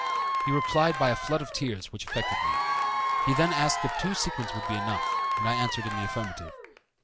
He replied by a flood of tears, which affected me. He then asked if two sequins would be enough, and I answered in the affirmative.